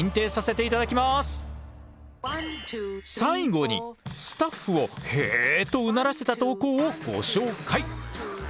最後にスタッフを「へえ」とうならせた投稿をご紹介！